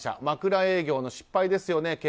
枕営業の失敗ですよね